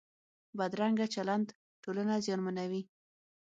بدرنګه چلند ټولنه زیانمنوي